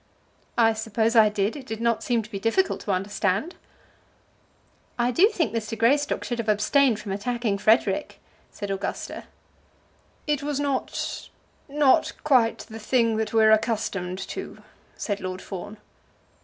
"I suppose I did. It did not seem to be difficult to understand." "I do think Mr. Greystock should have abstained from attacking Frederic," said Augusta. "It was not not quite the thing that we are accustomed to," said Lord Fawn.